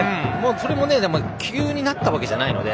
それも急になったわけじゃないので。